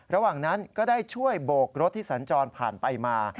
ระหว่างนั้นก็ได้ช่วยโบกรถที่สัญจรผ่านไปมา